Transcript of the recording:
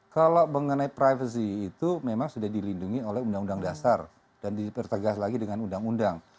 kalau mengenai privasi itu memang sudah dilindungi oleh undang undang dasar dan dipertegas lagi dengan undang undang